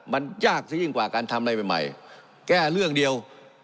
มันยากซะยิ่งกว่าการทำอะไรใหม่แก้เรื่องเดียว